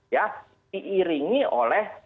ya diiringi oleh